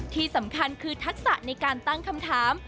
ที่สำคัญคือทักษะในการตั้งคำถาม